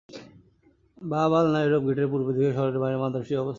বাব আল-নায়রব গেটের পূর্ব দিকে শহরের বাইরে মাদ্রাসাটি অবস্থিত।